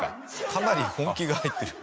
かなり本気が入ってる。